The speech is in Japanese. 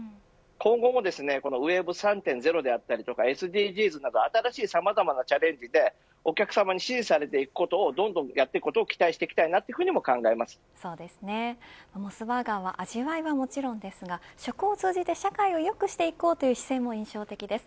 今後もｗｅｂ３．０であったりＳＤＧｓとさまざまなチャレンジでお客様さまに支持されていくことをどんどんやっていくことをモスバーガーは味わいはもちろんですが食を通じて社会を良くしていこうという姿勢も印象的です。